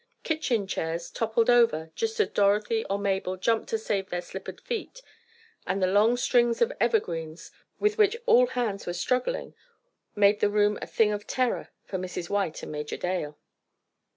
Kitchen chairs toppled over just as Dorothy or Mabel jumped to save their slippered feet, and the long strings of evergreens, with which all hands were struggling, made the room a thing of terror for Mrs. White and Major Dale.